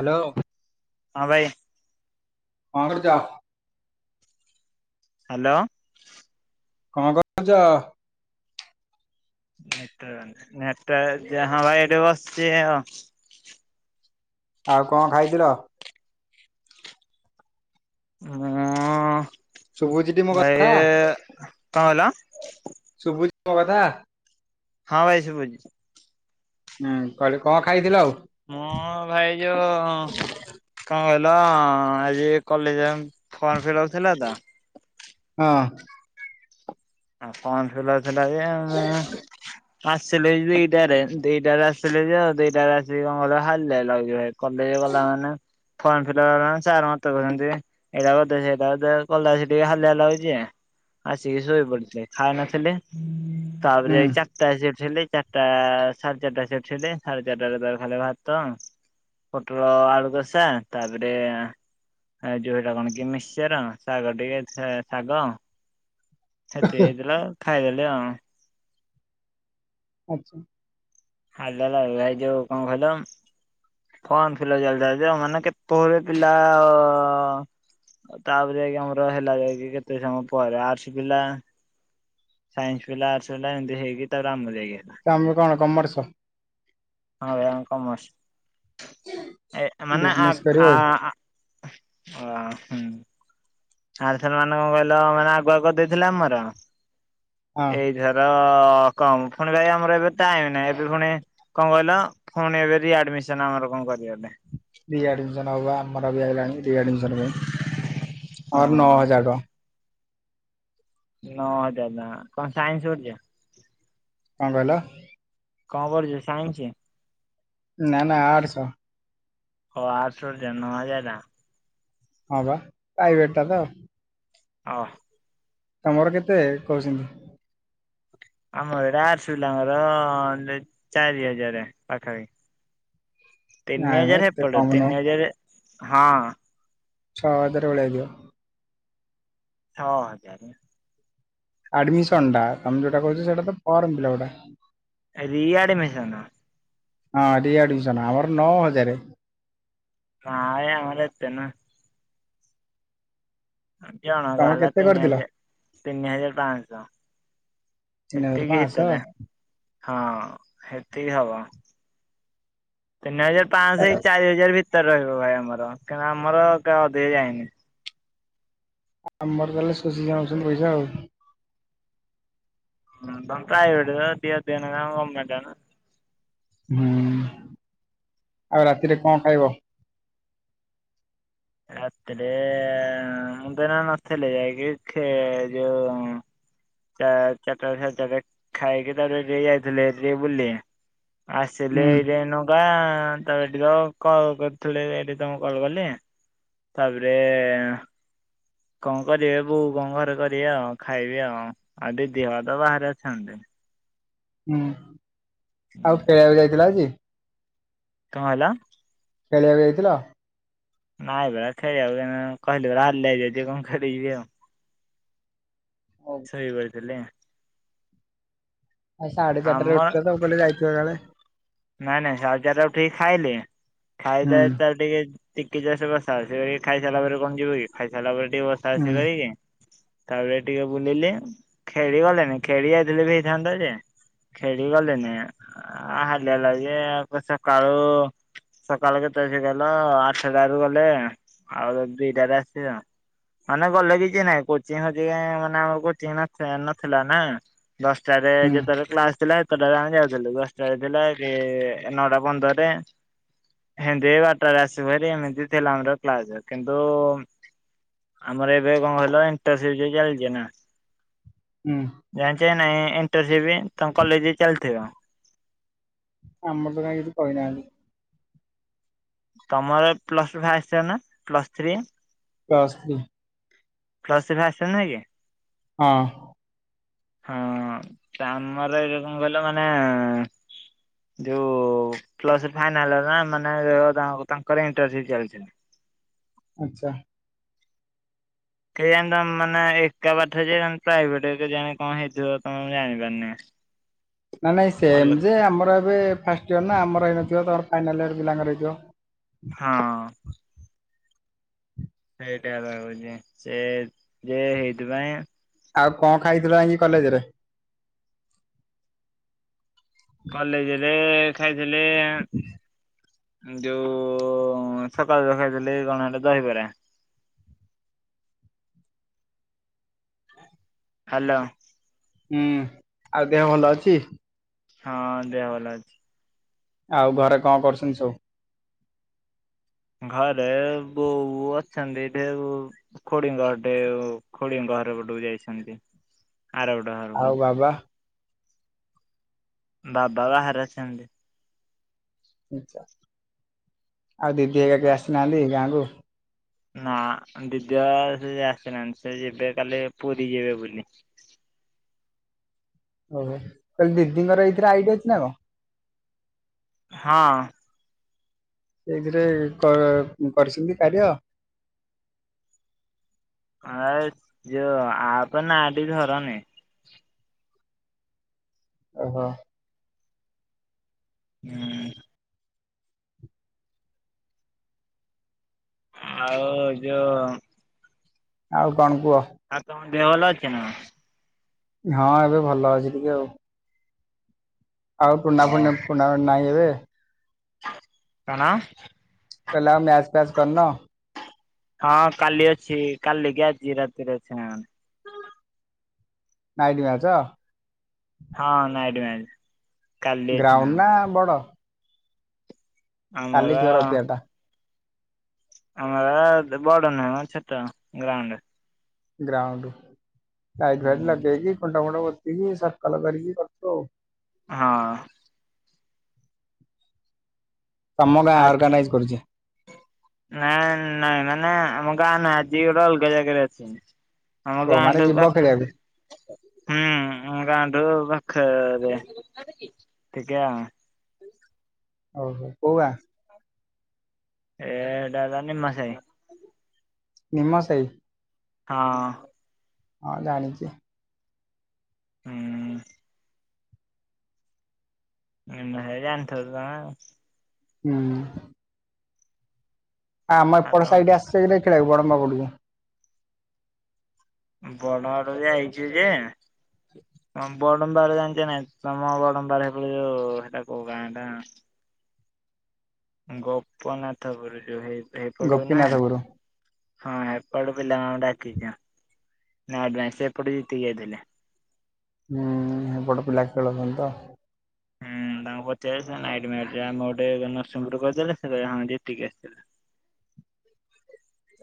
Hello. ହଁ ଭାଇ କଣ କରୁଛ? ହ୍ୟାଲୋ? କଣ କଣଛ? ନେଟ ନେ ଟ ଯାହା ଭାଇ ଏଠ ବସିଛି ଆଉ। ଆଉ କଣ ଖାଇଥିଲ? ମୁଁ। ଶୁଭୁଛିଟି ମୋ ଭାଇ କଥା କଣ କହିଲ? ମ ଦାଦା। ହଁ ଭାଇ ସେ ସୁଭୁଛି। ହୁଁ କହିଲି କଣ ଖାଇଥିଲ ଆଉ? ମଁ ଭାଇ ଯୋଉ କଣ କହିଲ ଆଜି କଲେଜ ଫର୍ମ ଫିଲପ ଥିଲା ତ। ହଁ ଆଉ କଣ ଥିଲା ଥିଲା ଏ ଆସିଲେ ଦିଟାରେ ଦିଟାରେ ଆସିଲେ ଯେ ଆଉ ଦିଟାରେ ଆସିକି କଣ ହାଲିଆ ଲାଗ ଭାଇ। ହଲେଇଗଲା ମାନେ? ଫର୍ମ ଫ ସାର ମତ କଛନ୍ତି ଏଇଟା କରିଦେ ସେଟା କରିଦେ କଲା ସେଠି ହାଲିଆ ଲାଗୁଛି। ଆସିକି ଶୋଇ ପଡିଥିଲେ ଖାଇ ନଥିଲେ ତାପରେ ହୁଁ ଚାରିଟା ଆସଥିଲେ। ଚାରିଟା ସାଢେ ଚାରିଟା ସେଠିଲ ସାଢେ ଚାରିଟରେ ତ ଖା ଭାତ ତ ପୋଟଳଆଳୁ କଷା ତାପରେ ଏ ଯୋଟା କଣ କି ମିଶର ଶାଗ ଟିକେ ଶାଗ ସେତିକି ହେଇଥିଲା ଖାଇଦେଲି ଆଉଁ ଆଛା। ହା ଭାଇ ଯୋଉ କଣ କହଲ ଫମ୍ ଫିଲ ଚାଲିଥା ମାନେ କେତୋବଳେ ପିଲା ଆଉ ତାପରେ ଯାଇକି ଆମର ହେଲା ଯାଇକି କେତେ ସମୟ ପରେ ଆର୍ଟ୍ସ ପିଲା ସାଇନ୍ସ ବୋ ଆର୍ଟସ ବାମ ହ ହେଗି ତ ଆମଲ ହଇକି ତମେ କଣ କମୋର୍ସ? ହଁ ବୟ କମସ ମାନେ ଆ ବିଜନେସ କରିବ ଆ ଅ ହଁ। ଆଥର ମାନେ କ କହିଲ ମାନେ ଆଗୁଆଗଦେଇଥିଲା ଆମର ଆଉ ହଁ ଏଇଥର ଅ କଣ ଫୁଣି ଭାଇ ଆମର ଏବେ ଟାଇମ ନାଇଁ ଏବେ ପୁଣି କଣ କହିଲ ଫୁଣି ଏବେ ରି ଆଡମିସନ ଆମର କଣ କରିବର ଦିଆଡି ଜଣ ହବା ଆମର ବି ଆଇଲାଣି। ରି ଆଡମିଶନ୍ ପାଇଁ ହଁ ନଅ ହଜାର ଟଙ୍କା। ନଅ ହଜାର ଟଙ୍କା କଣ ସାଇନ୍ସ ଓଡ଼ିଆ? କଣ କହିଲ? କଣ କରୁଛୁ ସାଇନ୍ସ? ନା, ନା ଆଡସ। ହ ଆଡସ ନ ହଜାର ଟଙ୍କା। ହଁ ବା ପ୍ରାଇଭେଟ୍ ଟା ତ। ଅ। ତମର କେତେ କହୁଛନ୍ତି? ଆମର ଏଟା ଆସିଲା ଆମର ଲେ ଚାରି ହଜାର ପାଖପାଖି। ନାଇଁ ତିନି ମ ହଜାର ଏ ଏତେ ପଟ କମ କୁ ନୁହଁ ତିନି ହଜାର ହଁ। ଛ ହଜାର ଭଳିଆ ହେଇଯିବ। ଛଅ ହଜାର। ଆଡମିସନ ଟା ତମେ ଯୋଉଟା କଉଛ ସେଟା ତ ଫର୍ମ ପିଲା ଟା। ରି ଆଡ଼ମୀସନ। ହଁ ରି ଆଡ଼ମିଶନ, ଆମର ନଅ ହଜାର। ନାଇ ଆମର ଏତେ ନୁହେଁ। ଜଣ କା ତମେ ହେଲା କେତେ ତିନି କରିଥିଲ ହଜାର- ତିନି ହଜାର ପାଆଁଶ। ତିନି ହଜାର ହେତିକି ପାଞ୍ଚଶହ ହିତରେ, ହଁ ହେତିିକି ହବ। ତିନି ହଜାର ପାଞ୍ଚଶହ ଚାରି ହଜାର ଭିତରେ ରହିବ ଭାଇ, ଆମର କହି ଆମର କ ଅଧିକ ଯାଏନି। ଆମର ତାହଲେ ଶୋଷି ଯାଉଛନ୍ତି ପଇସା ଆଉ। ହଁ ପ୍ରାଇବେେଟ ଟା ଦି ଖ କ ଗୋର୍ମେଣ୍ଟ ନା। ହୁଁ, ଆଉ ରାତିରେ କଣ ଖାଇବ? ରାତିରେ ମୁଁ ହେରା ନ ଥିଲି ଯାଇକି ଖେ- ଯୋଉ ଚା ଚାଟ ସାଡେ ଚାରଟା ବେଳେ ଖାଇକି ତା ପରେ ଯାଇଥିଲି ତା ପରେ ବୁଲିଲି। ଆସିଲେ ହୁଁ ଇଲେ ନବା। ହ ତ ଏଠି କ ତ କଲ କରୁଥିଲେ ଏଠି ତମକୁ କଲ କଲେ। ତାପରେ କଣ କରିବେ ବୋଉ କଣ ଘରେ କରିବେ ଆଉ ଖାଇବି ଆଉ ଆଉ ଦିଦି ମାନେତ ବାହାରେ ଅଛନ୍ତି। ହୁଁ ହୁଁ ଆଉ ଖେଳିବାକୁ ଯାଇଥିଲ ଆଜି? କଣ ହେଲା? ଖେଳିବାକୁ ଯାଇଥିଲ? ନାଇଁ ଭେ ଖେଳିବାକୁ କହିଲେ ଆ କଣ ହାରିଲେ ଆଉ [unintelligible] ଶୋଇି ପଡ଼ିଥିଲି। ଆ ସାଢେ ଚାରିଟାରେ ଆମର ଉଠିଲ ତ କୁଆଡେ ଯାଇଥିବ କାଳେ? ନାଇଁ, ନାଇଁ ସାଢେ଼ ଚାରି ଟାରେ ଉଠି ଖାଇଲି, ହୁଁ ଖାଇଦ ତ ଟିକେ ଟିକେ ଜଷ୍ଟ ବର୍ଷା ହଉଛି ଏରିକି ଖାଇସାରିଲା ପରେ କଣ ଯିବୁ କି? ଖାଇସାରିଲା ପରେ ଟିକେ ବସା ହୁଁ ବସି କରିକି ତାପରେ ଟିକେ ବୁଲିଲେ ଖେଳି ଗଲେଣିି ଖେଳି ଯାଇଥିଲେ ବି ହେଇଥାନ୍ତା ଯେ। ଖେଳି ଗଲେନି ଆ ହାଲିଆ ଲାଗୁଛି ସକାଳୁ। ସକାଳ କେତେ ସେ ଗଲ ଆଠ ଟାରୁ ଗଲେ ଆଉ ଦିଟାରେ ଆସିବ। ମାନେ ଗଲେ କିଛି ନାଇଁ କୋଚିଂ ହଉଛି ମାନେ ଆମ କୋଚିଂ ନଥିଲା ନା। ଦଶଟାରେ ହୁଁ ଯେତେବେଳେ କ୍ଲାସ ଥିଲା ସେତେଟାରେ ଆମେ ଯାଉଥିଲୁ ଦଶଟାରେ ଥିଲା ଏ ନଟା ପନ୍ଦରରେ। ହେନ୍ତି ବାରଟାରେ ଆସିବ ଭରି ଏମିତି ଥିଲା ଆମର କ୍ଲାସ କିନ୍ତୁ ଆମର ଏବେ କଣ କହିଲ ଇଣ୍ଟରସିପ ଯୋଉ ଚାଲିଛି ନା ହୁଁ। ଜାଣିଛ ନାଇଁ ଇଣ୍ଟରସିପ ତମ କଲେଜ ରେ ଚାଲିଥିବ। ଆମର ତ କାଇଁ କିଛି କହିନାହାନ୍ତି। ତମର ପ୍ଲସ ଟୁ ଫାଷ୍ଟ ୟିଅର୍ ନା plus three? Plus three. Plus three first year ନୁହଁ କି? ହଁ। ହଁ ତାମର ଏ କଇଲ କଣ ମାନେ। ଯୋଉ ପ୍ଲସ ଥ୍ରୀ ଫାଇନାଲ ଇୟର ନା ମାନେ ତା-ତାଙ୍କର ଇଣ୍ଟରସିପ ଚାଲିଚି। [inaudible] ଆଚ୍ଛା। କେଜାଣି ତ ମାନେ ଏକା ପାଠ ଯେ ପ୍ରାଇଭେଟ କେଜାଣି କଣ ହେଇଥିବ ତମେ ମୁଁ ଜାଣିପାରୁନି। [inaudible] ନାଇଁ ନାଇଁ ସେମ ଅଲଗା ଯେ ଆମର ଏବେ ଫାଷ୍ଟ ଇୟର ନା ଆମର ହେଇନଥିବ ତମର ଫାଇନାଲ ଇୟର ପିଲାଙ୍କର ହେଇଥିବ। ହଁ। ସେଇଟା ଭାବୁଛି ସେ ଯେ ହେଇଥିପାଇଁ। ଆଉ କଣ ଖାଇଥିଲ ଆଜି କଲେଜରେ? କଲେଜରେ ଖାଇଥିଲେ ଯୋଉଁ ସକାଳୁ ତ ଖାଇଥିଲି କଣ ହେଟା ଦଇବରା। ହାଲୋ। ହୁଁ ଆଉ ଦେହ ଭଲ ଅଛି? ହଁ ଦେଅ ଭଲ ଅଛି। ଆଉ ଘରେ କଣ କରୁଛନ୍ତି ସବୁ? ଘରେ ବୋଉ ଅଛନ୍ତି ଏଠେ ଖୁଡିଙ୍କ ଘଠେ ଖୁଡିଙ୍କ ବାହାର ପଟକୁ ଯାଇଛନ୍ତି। ଆରପଟ ଘରକୁ। ଆଉ ବାବା। ବାବା ବାହାରେ ଅଛନ୍ତି। ଅଚା ଆଉ ଦିଦି ହେରିକା କେଇ ଆସିନାହାନ୍ତି ଗାଁକୁ? ନା ଦିଦି ଆଉ ଆସି ଆସିନାନ୍ତି ସେ ଯିବେ କାଲି ପୁରୀ ଯିବେ ବୁଲି। [inaudible] ଓହୋ କଇଲି ଦିଦିଙ୍କର ଏଇଥିରେ ଆଇଡି ଅଛି ନା କଣ? ହଁ। ସେଇଥିରେ କ-କରିଛନ୍ତି କାରୟ। ହାସ୍ ଯୋଉ ଆପ ନା ଟି ଧରନି। ଓହୋ। ହୁଁ। ଆଉ ଯୋଉ ଆଉ କଣ କୁହ? ଆଉ ତମ ଦେହ ଭଲ ଅଛି ନା? ହଁ ଏବେ ଭଲ ଅଛି ଟିକେ ଆଉ। ଆଉ ଟୁନାଫୁଣ୍ଟା ଟୁନାମେଣ୍ଟ ନାଇ ଏବେ? କଣ? ତାଲେ ଆଉ ମ୍ୟାଚ୍ ଫ୍ୟାଚ୍ କରିନ? ହଁ କାଲି ଅଛି କାଲି କି ଆଜି ରାତିରେ ଅଛି ହଁ। Night match. ହଁ ନାଇଟ ମ୍ୟାଚ୍। କାଲି ଅଛି ଗ୍ରାଉଣ୍ଡ ନା ବଡ। କାଲି ଥିବ ଆମର ରବିଆଟା। ଆମର ବଡ ନୁହେଁମ ଛୋଟ ଗ୍ରାଉଣ୍ଡ। ଗ୍ରାଉଣ୍ଡ ସାଇଟ ଫାଇଟ ହୁଁ। ଲଗେଇକି ଖୁଣ୍ଟଫୁଣ୍ଟ ପୋଟ ତିକି ସର୍କଲ କରିକି କରିଥିବ ଆଉ। ହଁ। ତମ ଗାଁ ଆଜି ଅର୍ଗାନାଇଜ କରୁଛି ନାଇଁ ନାଇଁ ମାନେ। ନାଇଁ ଆମ ଗାଁ ନା ଆଜି ଗୋଟେ ଅଲଗା ଜାଗାରେ ଅଛି। ଆମ ଓ ମାନେ ଗାଁଠୁ ପା ଯିବ ଖେଳିବାକୁ ହୁଁ ଆମ ଗାଁଠୁ ପା ଖରେ ଟିକେ ଆଉ। ଓ ହୋ କୋଉ ଗାଁ? ଏ ଡା ଦା ନିମଶାଇ। ନିମଶାଇ। ହଁ। ହଁ ଜାଣିଛି। ହୁଁ। ନିମସାଇ ଜାଣିଥିବ ତମେ? ହୁଁ। ହଁ ଆମ ଆଉ ଏପଟ କଣ ସାଇଟ୍ ଆସିଚ କି ନାହିଁ ଖେଳିବାକୁ ବଡମ୍ୱା ପଟକୁ? ବଡ଼ଗଡ ପଟକୁ ଯାଇଚି ଯେ ହଁ ବଡମ୍ବାର ଜାଣିଛ ନାଇଁ, ତମ ବଡମ୍ବାର ହେଇଟେ ହେଟା କୋଉ ଗାଁ ଟା ଗୋପନାଥ ପୁରୁ ଯୋଉ ହେଇ ଏପଟୁ ନା ଗୋପୀନାଥ ପୁର। ହଁ ଏପଟ ପିଲାମାନେ ଡା [unintelligible] ନା ନା ସେ ଏପଟୁ ଜିତିକି ଆଇଥିଲେ। ହୁଁ ହେପଟ ପିଲା ଖେଳୁଛନ୍ତି ତ। ହୁଁ। ତାଙ୍କୁ ପଚାରେ ସେମାନେ ନାଇଟ ମ୍ୟାଚ୍ ଆମେ ଗୋଟେ ନରସିଂପୁର କରିଦେଲେ ସେ କହିବେ ଆମେ ଜିତିକି ଆସିିଥିଲୁ। [inaudible]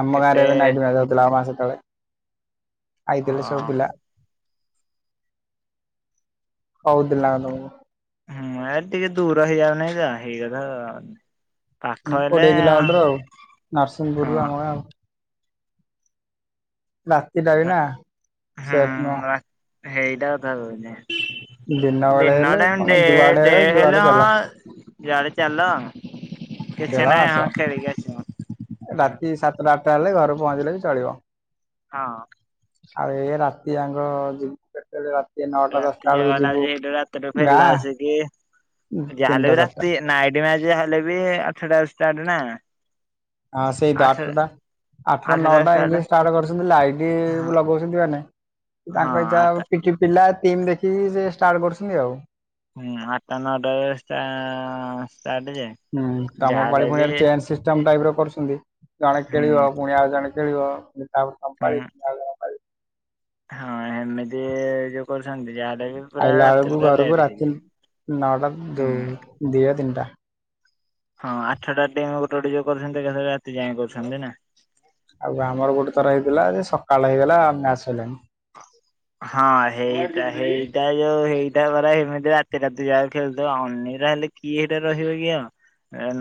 ଆମ ଗାଁରେ ବି ନାଇଟ ମ୍ୟାଚ୍ ହଉଥିଲା ଆଉ ମାସେ ତଳେ ଅ ଆଇଥିଲେ ସବୁ ପିଲା। ହଉ ଥିଲା ନା କଣ ତମକୁ? ହୁଁ ଏ ଟିକେ ଦୂର ହେଇଯାଉନାଇଁ ତ ହେଇକଥା। ହୁଁ କୋଡିଏ କିଲୋମିଟର ଆଉ ନରସିଂହପୁରରୁ ହଁ ଆମ ଗାଁ ଆଉ। ରାତି ଟାଇମ୍ ନା ସେଫ୍ ନୁହଁ। ହୁଁ ହେଇଟା କଥା କହୁନି। ବେଳେ ଦିନ ହେଲେ ଟାଇମ ତମେ ଡେ ଯୁଆଡେ ଡେ ଯୁଆଡେ ହେଲେ ଚାଲ ହଁ। ଯୁଆଡେ ଚାଲ ଖେଳ କିଛି ନାହିଁ ଆସ। ହଁ ଖେଳିକି ଆସିବୁ। ରାତି ସାତଟା ଆଠଟା ହେଲେ ଘରେ ପହଞ୍ଚିଲେ ବି ଚଳିବ। ହଁ। ଆଉ ଏ ରାତିଯାଙ୍କ ଯିବେ ରାତି ଯାକ ହେଲା ଆ ସେଇଠୁ ରାତିରେ ଫେରିଲା ଗାଁ ଆସି କି ଯାହାହେଲେ ତିନିଟା ବି ଚାରିଟା ରାତି ନାଇଟ ମ୍ୟାଚ୍ ଯାହା ହେଲେ ବି ଆଠଟାରୁ ଷ୍ଟାର୍ଟ ନା। ହଁ ସେଇ ତ ଆଠ ଆଠଟା। ଆଠଟା ନଅଟା ଏମତି ଷ୍ଟାର୍ଟ କରୁଛନ୍ତି, ଲାଇଟ୍ ହଁ ଲଗାଉଛନ୍ତି ମାନେ ହଁ ତାଙ୍କ ଏଇ ଯା ଆଠଟା ପିଟି ପିଲା ଟିମ୍ ଦେଖିକି ସେ ଷ୍ଟାର୍ଟ କରୁଛନ୍ତି ଆଉ। ହୁଁ ଆଠଟା ନଅଟା ବେଳେ ଷ୍ଟା ଷ୍ଟାର୍ଟ ଯେ ହୁଁ ତମ ପାଳି ଯାହାହେଲେ ଫୁଣି ବି ଚେ ସିଷ୍ଟମ ଟାଇପ ର। କରୁଛନ୍ତି, ଜଣେ ହୁଁ ଖେଳିବ ପୁଣି ଆଉ ଜଣେ ଖେଳିବ। ପୁଣି ତାପରେ ତମ ପାଳି ହୁଁ ପୁଣି ଆଉ ଜଣଙ୍କ ପାଳି। ହଁ ଏମିତି ଯୋଉ କ ଛନ୍ତି, ଯାହାଟେ ବି ପୁରା ଆଇଲା ରାତିି ବେଳକୁ ଘରକୁ ଲେଟ ରାତି ହେଇଯାଏ ନଅଟା ଯୋଉ ହଁ। ଦିଟା ତିନିଟା। ହଁ ଆଠଟା ଟିମ୍ ଗୋଟେ ଗୋଟେ ଯୋଉ କରୁଛନ୍ତି। ଏକାଥରେ ରାତି ଯାଇଁ କରୁଛନ୍ତି ନା। ଆଉ ଆମର ଗୋଟେ ଥର ହେଇଥିଲା ଯେ ସକାଳ ହେଇଗଲା ଆମେ ଆସିଲାଣି ହଁ। ହଁ ହେଇଟା ହେଇଟା ଯୋଉ ଏଇଟା ପରା ସେମିତି ରାତି ରାତି ଯା ଖେଳୁଥିବ ଅନି ହେଲେ କିଏଟା ରହିବ କି ଆଉ?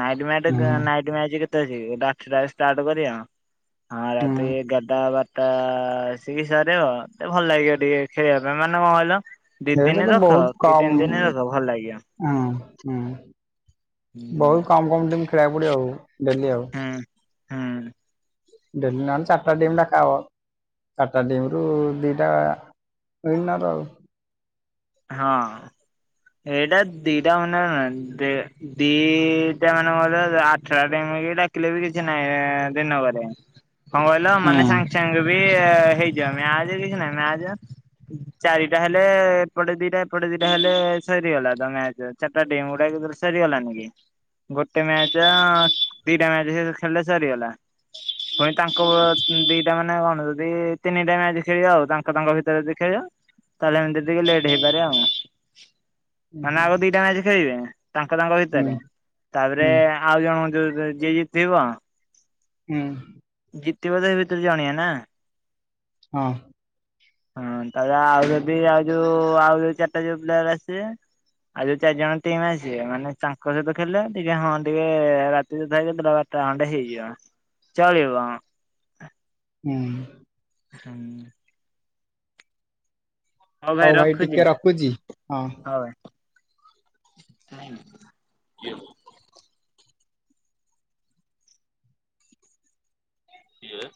ନାଇଟ୍ ମ୍ୟାଟ ହୁଁ ନାଇଟ୍ ମ୍ୟାଚ୍ କେତେ ଅଛି ଗୋଟେ ଆଠଟା ଷ୍ଟାର୍ଟ କରିବ ଆ ହଁ ରାତି ହୁଁ ଏଗାରଟା ବାରଟା ଆସିକି ସରିବ ଆଉ। ମତେ ଭଲ ଲାଗିବ ଟିକେ ଖେଳିବା ପାଇଁ। ମାନେ କଣ କହିଲ ଦି ଏଇଟା ଦିନି ତ ରଖ ବହୁତ କି କମ ତିନି ଦିନି ରଖ ଭଲ ଲାଗିବ। ହୁଁ ହୁଁ। ହୁଁ ବହୁତ କମ କମ ଟିମ ଖେଳିବାକୁ ପଡିବ ଆଉ, ଡେଲି ଆଉ। ହୁଁ ହୁଁ। ଡେଲି ନହେଲେ ଚାରିଟା ଟିମ୍ ଡକାହବ। ଚାରିଟା ଟିମରୁ ଦିଟା ଉଇନର ଆଉ। ହଁ। ଏଇଟା ଦିଟା ମାନେ କଣ ଦି-ଦିଟା ମାନେ କଣ କହିଲ ଆଠଟା ଟିମ୍ ଆମକୁ କେହି ଡାକିଲେ ବି କିଛି ନାହିଁ ଦିନକରେ। କଣ କହିଲ ହୁଁ ମାନେ ସାଙ୍ଗ ସାଙ୍ଗ ବି ହେଇଯିବ। ମ୍ୟାଚ୍ କିଛି ନାହିଁ ମ୍ୟାଚ୍ ହଁ ଚାରିଟା ହେଲେ ଏପଟେ ଦିଟା ସେପଟେ ଦିଟା ହେଲେ ସରିଗଲା ତ ମ୍ୟାଚ। ଚାରିଟା ଟିମ୍ ଗୋଟାଇ ଦିଗରୁ ସରିଗଲାନି କି? ଗୋଟେ ମ୍ୟାଚ ଅ ଦିଟା ମ୍ୟାଚ ସେ ତ ଖେଳିଲେ ସରିଗଲା। ପୁଣି ତାଙ୍କ ଦି ଦିଟା ମାନେ କଣ ଯଦି ତିନିଟା ମ୍ୟାଚ ଖେଳିବା ଆଉ। ତାଙ୍କ ତାଙ୍କ ଭିତରେ ଯଦି ଖେଳିବ, ତାହେଲେ ଏମତି ଟିକେ ଲେଟ୍ ଟିକେ ହେଇପାରେ ଆଉ। ମାନେ ହୁଁ ଆଗ ଦିଟା ମ୍ୟାଚ ଖେଳିବେ ତାଙ୍କ ତାଙ୍କ ହୁଁ ଭିତରେ, ତାପରେ ହୁଁ ଆଉ ଜଣଙ୍କୁ ଯୋଉ ଯିଏ ଜିତିବ ହୁଁ। ଜିତିବ ତ ସେ ଭିତରୁ ଜଣିଏ ନା। ହଁ। ହଁ, ତାପରେ ଆଉ ଯଦି ଆଉ ଯୋଉ ଆଉ ଯୋଉ ଚାରିଟା ଯୋଉ ପ୍ଲେୟାର ଆସିବେ ଆଉ ଯୋଉ ଚାରି ଜଣ ଟିମ୍ ଆସିବେ, ମାନେ ତାଙ୍କ ସହିତ ଖେଳିଲେ ଟିକେ ହଁ ଟିକେ ରାତି ତଥାପି କେତେଟା ବାର ବାରଟା ଖଣ୍ଡେ ହେଇଯିବ, ଚଳିବ। ହୁଁ। ହଁ। ହଉ ଭାଇ ରଖୁଛି, ଟିକେ ରଖୁଛି ହଁ। ହଉ ଭାଇ। [unintelligible] କିଏ?